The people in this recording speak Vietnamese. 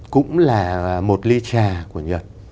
cũng là một ly trà của nhật